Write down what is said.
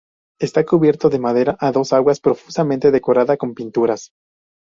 Está cubierto de madera a dos aguas, profusamente decorada con pinturas.